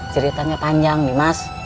ceritanya panjang nyimas